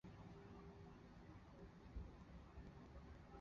纽厄尔是一个位于美国阿拉巴马州兰道夫县的非建制地区。